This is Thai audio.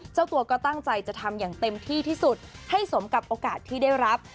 เจ้าตัวก็ตั้งใจจะทำอย่างเต็มที่ที่สุดให้สมกับโอกาสที่ได้รับ